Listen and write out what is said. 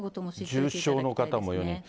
重症の方も４人。